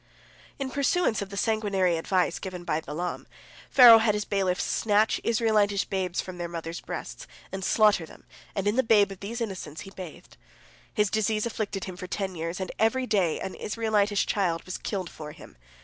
In pursuance of the sanguinary advice given by Balaam, Pharaoh had his bailiffs snatch Israelitish babes from their mothers' breasts, and slaughter them, and in the blood of these innocents he bathed. His disease afflicted him for ten years, and every day an Israelitish child was killed for him.